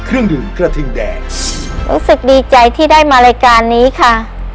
รู้สึกดีใจที่ได้มารายการนี้ค่ะ